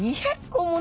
２００個も！